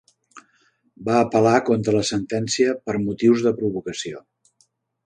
Va apel·lar contra la sentència per motius de provocació.